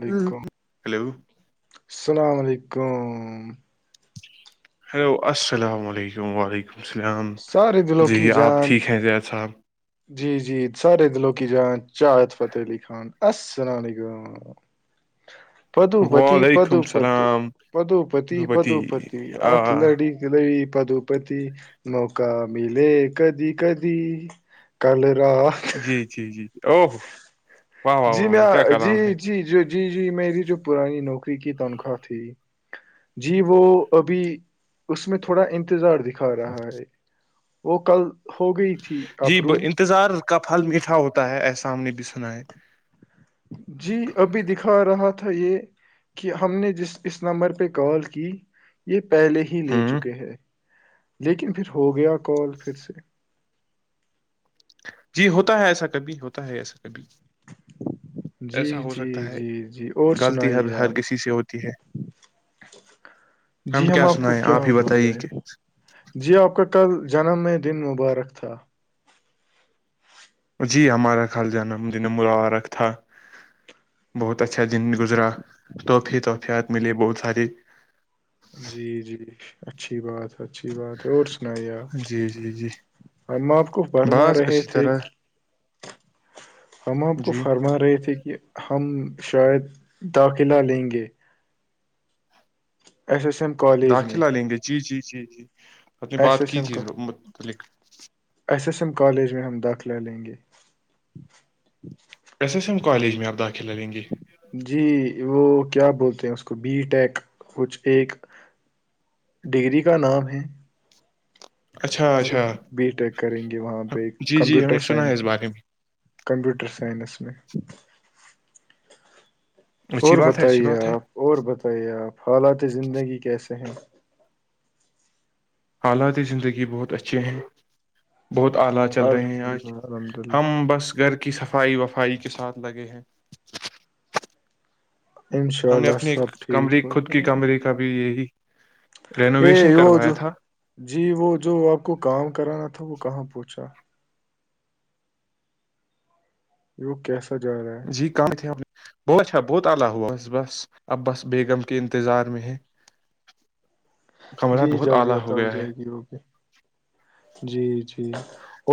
علیکم ہلو سلام علیکم ہیلو السلام علیکم وعلیکم السلام سارے دلوں جی کی آپ جان ٹھیک ہیں زیاید صاحب جی جی سارے دلو کی جان چاہت فتح علی خان اسلالا علیکم پدوپتی وعلیکم پدوپت السلام پدوپتی دھوپتی پدوپتی آ آخ لڑی رو پدوپتی نوکا ملے کدھی کدھی کل را جی جی جی اوہو جی میں جی جی جی جی جی میری جو پرانی نوکری کی تنخواہ تھی جی وہ ابھی اس میں تھوڑا انتظار د کھا رہا ہے وہ کل ہو گئی تھی اپروو تظار کا پھل میٹھا ہوتا ہے ایحسا ہم نے بھی سنا ہے جی ابھی دکھا رہا تھا یہ کہ ہم نے جس اس نمبر پہ کال کی یہ پہلے ہی لے ہوں چکے ہے لیکن پھر ہو گیا کال پھر سے جی ہوتا ہے ایسا کبھی ہوتا ہے ایسا کبھی جی ایسا ہو جی سکتا ہے جی جی اور غلطی سنائیے ہر آپ کسی سے ہوتی ہے ہم جی کیا کو سنائیے ہے آپ کیا ہی بتائیے بولے کہ جی آپ کا کل جنم میں دن مبارک تھا جی ہمارا کل جانم دن مروارکھ تھا بہت اچھا دن گزرا توحفے توحفعات ملے بہت سارے جی جی اچھی بات ہے اچھی بات ہے اور سنائیے اپ جی جی جی ہم آپ کو فرما بس رہے اچھی تھے طرح کہ ہم آپ کو جی فرما رہے تھے کہ ہم شاید داخلہ لیں گے ایس ایس ایم کالج میں داخلہ لیں گے جی جی جی جی اپ نے ایس بات ایس کی ایم تھی کا اس متعلق ایس ایس ایم کالج میں ہم داخلہ لیں گے ایس ایس ایم کالج میں آپ داخل لیں گے جی وہ کیا بولتے ہیں اس کو بی ٹیک کچھ ایک ڈگری کا نام ہے اچھا ہم اچھا بی ٹیک کریں گے وہاں پہ جی جی ہم کمپیوٹر نے سنا ہے سائنس اس بارے میں کمپوٹر سائنس میں اچھی اور بات ہے اچھی بتائیے بات ہے آپ اور بتائیے آپ حالات زندگی کیسے ہیں حالات زندگی بہت اچھے ہیں بہت آلی چل رہے ہیں الحمد آج للہ الحمد للہ ہم بس گھر کی صفائی وفائی کے ساتھ لگے ہیں انشاء ہم نے اللہ اپنی سب ٹھیک کمرے ہو خود کی کمرے کا بھی یہی ا رینوویشن وہ کروایا جو تھا جی وہ جو آپ کو کام کرانا تھا وہ کہاں پہنچا وہ کیسا جا رہا ہے جی کہاں تھے آپ نے بہت اچھا بہت اعلی ہوا بس بس اب بس بیگم کے انتظار میں ہے کمرہ جی بہت جلدی اعلی آتا ہو گیا ہے جائے گی وہ بھی جی جی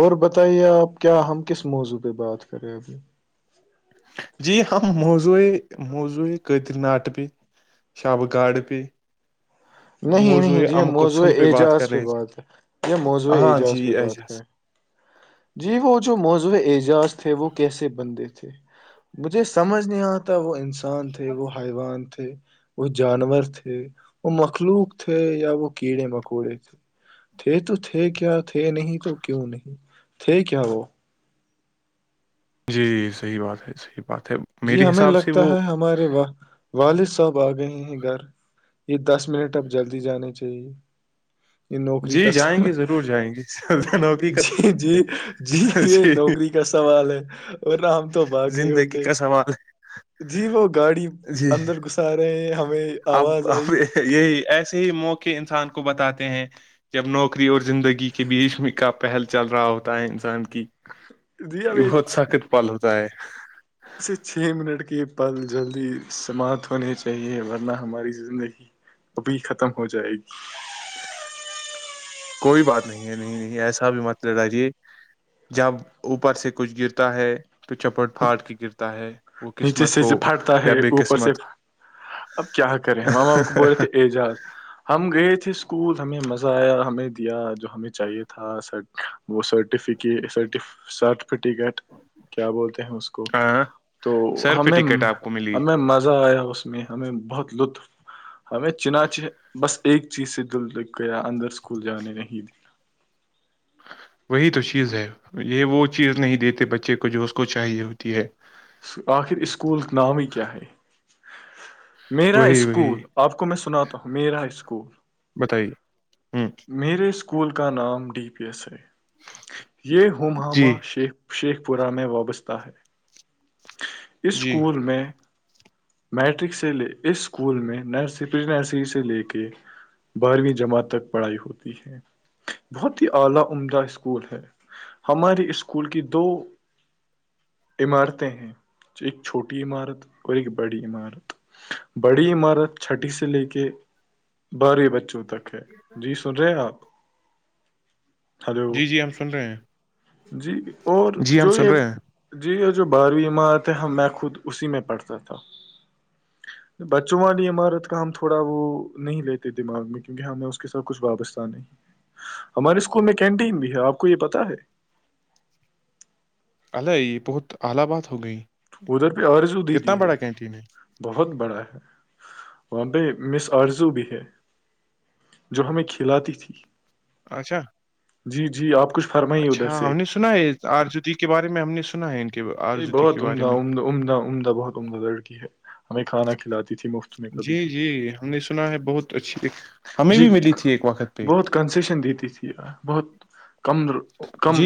اور بتائیے آپ کیا ہم کس موضوع پہ بات کر رہے جی ہم موضوئے قیدر ناٹ پہ شب گارڈ پہ [inaudible] نہیں موضوع نہیں جی ہم ام موضوع کوسل پہ بات کر اعجاز پہ رہے تھے بات کریں موضوع ہاں اعجاز جی پہ بات اعجاز کریں جی وہ جو موضوع اعجاز تھے وہ کیسے بندے تھے مجھے سمجھ نہیں آتا وہ انسان تھے وہ حیوان تھے وہ جانور تھے وہ مخلوق تھے یا وہ کیڑے مکوڑے تھے تھے تو تھے کیا تھے نہیں تو کیوں نہیں تھے کیا وہ جی صحیح بات ہے صحیح بات ہے جی میرے ہمیں حساب سے لگتا وہ ہے ہمارے والد صاحب آ گئے ہیں گھر یہ دس منٹ اب جلدی جانے چاہیے یہ نوکری کا جی جائیں سمے گے ضرور جائیں گے سلطنوبی کا جی جی جی یہ نوکری کا سوال ہے ورنہ ہم تو بھاگ گئے زندگی ہوتے کا سوال ہے جی وہ گاڑی جی اندر گھسا رہے ہیں ہمیں اب آواز آئی اب یہی ایسے ہی موقع انسان کو بتاتے ہیں جب نوکری اور زندگی کے بیچ میں کا پہل چل رہا ہوتا ہے انسان کی یہ بہت سخت پل ہوتا ہے [inaudible] بس یہ چھ منٹ کے پل جلدی سماپت ہونے چاہیے ورنہ ہماری زندگی ابھی ختم ہو جائے گی کوئی بات نہیں ہے نہیں نہیں ایسا بھی مت لڑاجے جب اوپر سے کچھ گرتا ہے [unintelligible] تو چپٹ پھاٹ کی گرتا ہے وہ نیچے قسمت سے ہو جو پھٹتا یا ہے بے اوپر قسمت سے اب کیا کرے ہمام آپ کو بولے تھے اعجاز ہم گئے تھے اسکول ہمیں مزہ آیا ہمیں دیا جو ہمیں چاہیے تھا سر [unintelligible] وہ سرٹیفکر سرٹیفکٹ کیا بول ہیں اس کو ہاں تو سر پہ ہمیں ٹکٹ آپ کو ملی ہمیں مزہ آیا اس [unintelligible] اس میں ہمیں بہت لطف ہمیں چناچ بس ایک چیز سے دل لک گیا اندر اسکول جانے نہیں وہی تو چیز ہے یہ وہ چیز نہیں دیتے بچے کو جو اس کو چاہیے ہوتی ہے آخر اسکولک نام ہی کیا ہے میرا وہی وہی اسکول آپ کو میں سناتا ہوں میرا اسکول بتائیے ہوں میرے اسکول کا نام ڈی پی ایس ہے یہ ہمہامہ جی شیخ شیخ پورہ میں وابستہ ہے اس جی اسکول میں میٹرک سے لے اس اسکول میں نرس پری نرسری سے لے کے بارہویں جماعت تک پڑھائی ہوتی ہے [unintelligible] عمارتیں ہیں جو ایک چھوٹی عمارت اور ایک بڑی عمارت بڑی عمارت چھٹی سے لے کے بارویں بچوں تک ہے جی سن رہے آپ ہلو جی جی ہم سن رہے ہیں جی اور جی ہم جو سن یہ رہے ہیں جی یہ جو بارہویں عمارعت ہے میں خود اسی میں پڑھتا تھا بچوں والی عمارت کا ہم تھوڑا وہ نہیں لیتے دماغ میں کیونکہ ہمیں کے ساتھ کچھ وابستہ نہیں ہے ہمارے اسکول میں کینٹین بھی ہے آپ کو یہ پتا ہے الے یہ بہت الی آباد ہو گئی ادھر پہ آرضو دی کتنا دی ہے بڑا کینٹین ہے بہت بڑا ہے وہاں پہ مس آرزو بھی ہے جو ہمیں کھلاتی تھی اچھا [unintelligible] جی جی آپ کچھ [unintelligible] ادھر اچھا سے ہم نے سنا ہے آرجتی کے بارے میں ہم نے سنا ہے کے یہی آرزودی کے بہت بارے عمدہ میں عمدہ عمدہ عمدہ بہت عمدہ لڑکی ہے ہمیں کھانا کھلاتی تھی مفت میں کبھی جی جی کبھی ہم نے سنا ہے بہت اچھی ہمیں جی بھی ملی تھی ایک وقت پہ بہت کنسیشن دیتی تھی یار بہت کم کم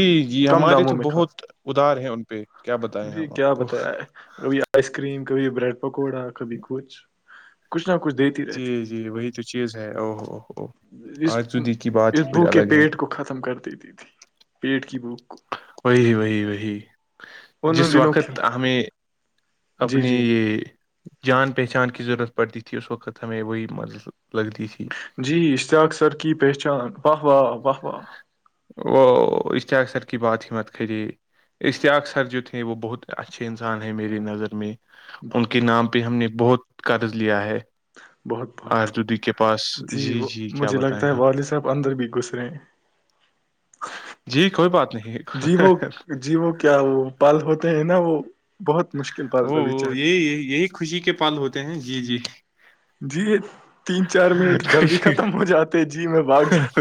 کم داموں میں کھا ادھار ہے ان پہ کیا بتائیں جی ہم کیا آپ کو بتایا ہے کبھی آئس کریم کبھی بریڈ پکوڑا کبھی کچھ کچھ نہ کچھ دیتی جی رہتی جی وہی تو چیز ہے او ہووو تھی اس آجزودی کی بات ہی اس بو کچھ کے الگ ہے پیٹ کو ختم کر دیتی تھی پیٹ کی بھوک کو وہی وہی وہی ان جس دنوں کی وقت ہمیں جی اپنی جی یہ [unintelligible] جان پہچان کی ضرورت پڑتی تھی اس وقت ہمیں وہی مز لگتی تھی جی اشتیاق سر کی پہچان واہ واہ واہ واہ وہ اشتحاکثر کی بات ہی مت کریے اشتیاق سر جو تھیں وہ بہت اچھے انسان ہیں میری نظر میں ان کے بہت بہت نام پہ ہم نے بہت قرض لیا ہے بہت بہت آردودی کے پاس جی وہ کیا مجھے لگتا بتائیں ہے ہم والد صاحب اندر بھی گسرے ہیں ج جی کوئی بات نہیں ہے جی وہ جی وہ کیا وہ پال ہوتے ہیں نا وہ بہت مشکل ا پل ابھی چار یہی یہی خوشی کے پل ہوتے ہیں جی جی جی تین چار منٹ جلدی خوشی، ختم ہو جاتے جی میں باگ جات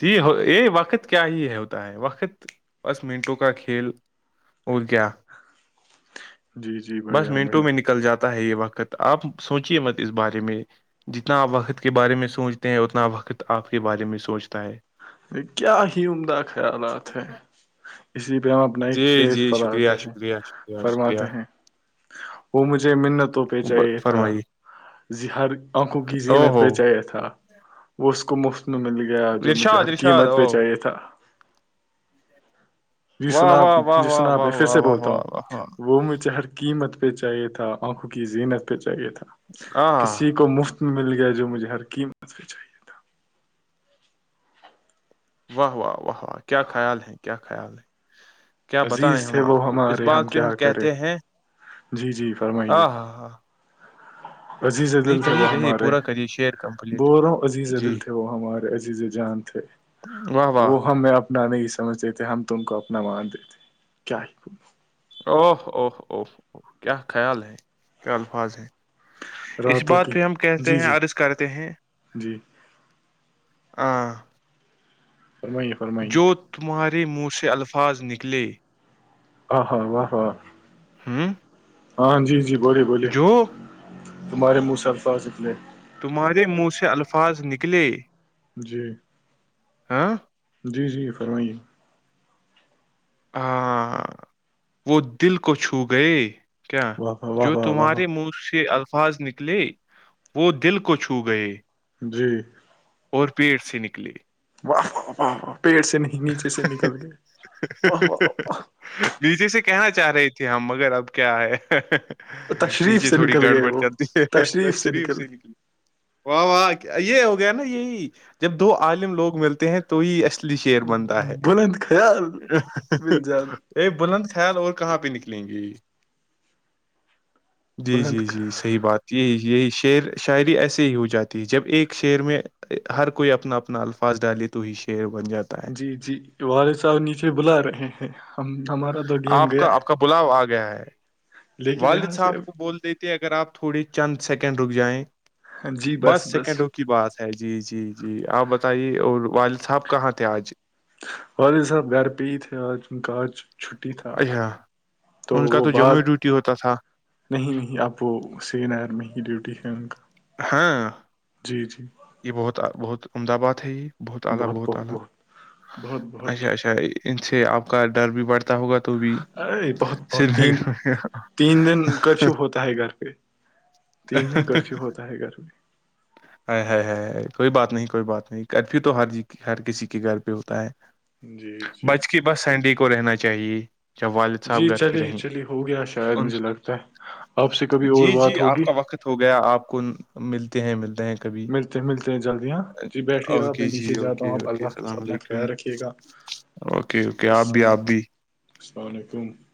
جی ہو یہ وقت کیا ہی ہے ہوتا ہے وقت بس منٹوں کا کھیل ا گیا جی جی بس بڑھیا منٹوں بڑھیا میں نکل جاتا ہے یہ وقت آپ سوچیے مت اس بارے میں جتنا آپ وقت کے بارے میں سوچتے ہیں اتنا وقت آپ کے بارے میں سوچتا ہے کیا ہی عمدہ خیالات ہے اسی پہ ہم اپنا ایک جی شیز جی فراتے شکریہ ہیں شکریہ شکریہ شکریہ فرماتے ہیں وہ مجھے منتوں پہ ب- چاہیے تھا فرمائیے ہر آنکھوں کی او زینت ہو پہ چاہیا تھا وہ اس کو مفت میں مل گیا جو مجھے ہر شاد قیمت پہ او چاہیے تھا جی واہ سناپ واہ واہ جی واہ واہ سناپفھر سے واہ واہ بولتا ہوں واہ واہ واہ وہ مجھے ہر قیمت پہ چاہیے تھا آنکھوں کی زینت پہ چاہیے تھا ہاں کسی کو مفت مل گیا جو مجھے ہر قیمت پہ چاہیے تھا واہ واہ واہ واہ کیا خیال ہے کیا خیال ہے کیا بتائیں عزیز ہم تھے وہ آپ کو اس ہمارے بات پہ ہم کیا کریں کہتے ہیں جی جی فرمائیے ہاں ہاں ہاں عزیز نہیں دل تھے کہیے وہ کہیے ہمارے پورا کریے شیئر کمپلیٹ بول رہا ہوں عزیز دل جی تھے وہ ہمارے عزیز جان تھے واہ واہ نا نہیں سمجھتے ہم تم کو اپنا مان دیتے کیا ہی او اوہ اوہ کیا خیال ہے کیا الفاظ ہے اس راتوں بات کی پہ ہم کہتے جی ہیں جی عرض کرتے ہیں جی ہاں فرمائیے فرمائیے جو تمہارے منہ سے الفاظ نکلے آ ہ و و ہوں ہاں جی جی بولیے بولیے جو تمہارے مہ الفاظ اتنے تمہارے منہ سے الفاظ نکلے جی ہاں جی جی فرمائیے ہاں وہ دل کو چھو گئے کیا واہ واہ واہ جو واہ واہ تمہارے واہ منہ سے الفاظ ن لے وہ دل کو چھو گئے جی اور پی ایس اے نکلی واہ و واہ و پیڑ سے نہیں نیچے سے نکل گئے واہ و نیچے سے کہنا چاہ رہی تھی ہم مگر اب کیا ہے تشریف نیچے سے تھوڑی نکل گئے گڑبڑ وہ چلتی ہے تو تشریف شریف نکل سے نکلی واہ واہ یہ ہو گیا نا یہی جب دو عالم لوگ ملتے ہیں تو یہ الی ایر گئے، بنتا ہے بلند خیال مل جان ا بلند خیال اور کہاں پہ نکلیں گے جی جی بلند جی صحیح بات یہی یہی شعر شاعری ایسے ہی ہو جاتی ہے جب ایک شعر میں ہر کوئی اپنا اپنا الفاظ ڈالے تو ہی شعر بن جاتا ہے جی جی والد صاحب نیچے بلا رہے ہیں ہم ہمارا تو گیم آپ کا گیا آپ کا بلاؤ آ گیا ہے لیکن والد یہاں سے صاحب کو اب- بولتے تھ اگر آپ تھوڑی چند سیکنڈ رک جائیں بس سیکنڈ رک کی بات ہے جی جی جی آپ بتائیے اور والد صاحب کہاں تھے آج والد صاب گھر پی تے آج کا آج چھٹی تھا اچھا تو ان کا وہ بعد جموں ڈیوٹی ہوتا تھا نہیں نہیں اب وہ سری نگر میں ہی ڈیوٹی ہے ان کا ہاں جی جی یہ بہت بہت عمد باد ہے یہ بہت اعلی بہت اعلی بہت بہت اچھا اچھا ان سے آپ کا ڈر بھی بڑھتا ہوگا تو بھی ا بہت سر بہت میں تین گرم۔ تین دن کرفیو ہوتا ہے گھر پہ تین دن کرفیو ہوتا ہے گھر بھی کوئی بات نہیں کوئی بات نہیں کرفیو تو ہر ج ہر کسی کے گھر پہ ہوتا ہے جی جی بچ کی بس سینڈی کو رہنا چاہیے ج والد صاحب جی گھر پہ چلیے رہیں چلیے ہو گیا شاید مجھے لگتا ہے آپ سے کبھی اور جی جی بات آپ ہوگی کا وقت ہو گیا آپ کو ملتے ہیں ملتے ہیں کبھی ملتے ملتے ہیں جلدیاں جی بیٹھیے آپ میں اوکے جی نیچے جاتا ہوں اوکے آپ اوکے اللہ حافظ اللام اپنا علیکم خیال رکھیے گا اوکے اوکے آپ بھی السلام آپ بھی [unintelligible]